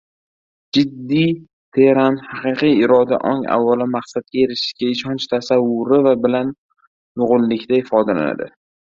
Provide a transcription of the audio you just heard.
Jiddiy, teran, haqiqiy iroda ong avvalo maqsadga erishishga ishonch tasavvuri bilan uyg‘unlikda ifodalanadi.